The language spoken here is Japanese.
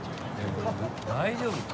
大丈夫？